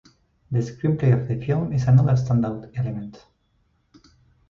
The screenplay of the film is another standout element.